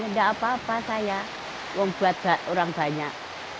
tidak apa apa saya membuat orang banyak